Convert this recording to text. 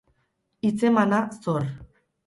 Hitzemana, zor.